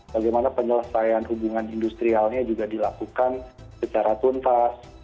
bagaimana penyelesaian hubungan industrialnya juga dilakukan secara tuntas